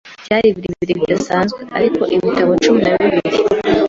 byari birebire bidasanzwe ariko ibitabo cumi na bibiri